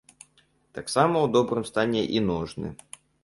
Таксама ў добрым стане і ножны.